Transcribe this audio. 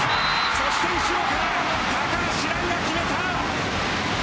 そして後ろから高橋藍が決めた。